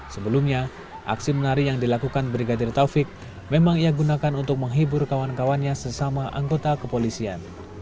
sebelumnya aksi menari yang dilakukan brigadir taufik memang ia gunakan untuk menghibur kawan kawannya sesama anggota kepolisian